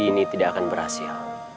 ini tidak akan berhasil